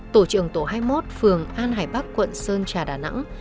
tổ trưởng tổ hai mươi một phường an hải bắc quận sơn trà đà nẵng